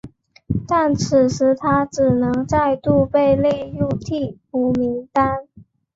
但此时他只能再度被列入替补名单。